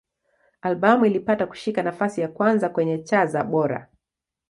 Albamu ilipata kushika nafasi ya kwanza kwenye cha za Bora.